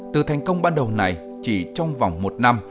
từ thành công ban đầu này chỉ trong vòng một năm